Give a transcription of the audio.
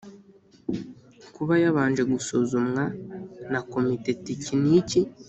kuba yabanje gusuzumwa na Komite Tekiniki